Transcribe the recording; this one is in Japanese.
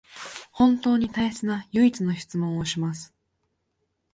本当に大切な唯一の質問をします